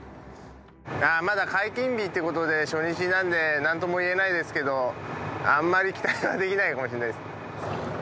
まだ解禁日って事で初日なのでなんともいえないですけどあんまり期待はできないかもしれないです。